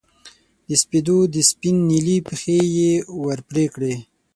د سپېدو د سپین نیلي پښې یې ور پرې کړې